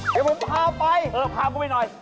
เดี๋ยวผมพาไปพากูไปหน่อย